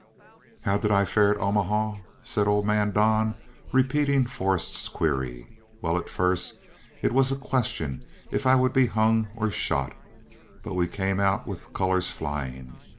"How did I fare at Omaha?" said old man Don, repeating Forrest's query. "Well, at first it was a question if I would be hung or shot, but we came out with colors flying.